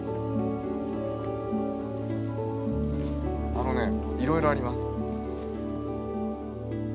あのねいろいろあります。